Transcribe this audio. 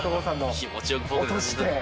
気持ちよく落として。